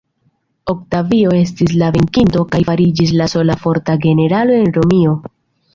Oktavio estis la venkinto kaj fariĝis la sola forta generalo en Romio.